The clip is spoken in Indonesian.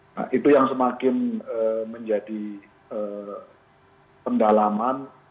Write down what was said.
nah itu yang semakin menjadi pendalaman